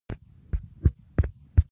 په دښته کې لوی تجارتي کاروان بې غمه روان و.